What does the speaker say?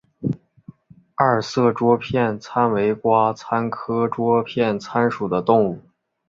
二色桌片参为瓜参科桌片参属的动物。